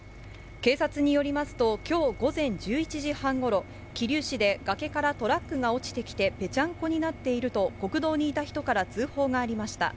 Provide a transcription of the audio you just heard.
警察によりますと、きょう午前１１時半ごろ、桐生市で崖からトラックが落ちてきて、ぺちゃんこになっていると国道にいた人から通報がありました。